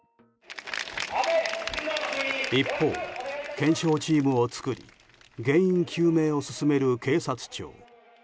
一方、検証チームを作り原因究明を進める警察庁。